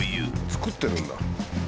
作ってるんだ。